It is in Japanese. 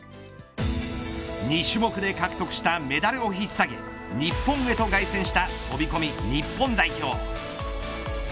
２種目で獲得したメダルを引っ提げ日本へと凱旋した飛込日本代表。